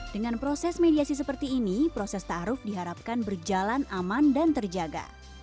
dengan proses mediasi seperti ini proses ⁇ taaruf diharapkan berjalan aman dan terjaga